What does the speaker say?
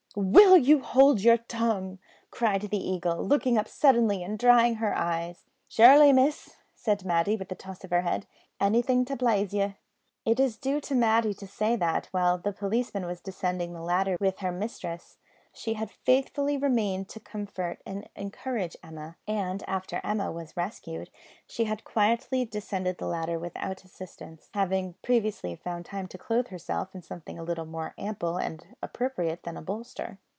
"Will you hold your tongue!" cried the Eagle, looking up suddenly and drying her eyes. "Surely, miss," said Matty, with a toss of her head; "anything to plaize ye." It is due to Matty to say that, while the policeman was descending the ladder with her mistress, she had faithfully remained to comfort and encourage Emma; and after Emma was rescued she had quietly descended the ladder without assistance, having previously found time to clothe herself in something a little more ample and appropriate than a bolster.